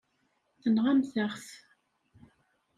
Tenɣamt-aɣ-t.